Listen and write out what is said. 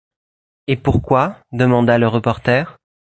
Et pourquoi ? demanda le reporter.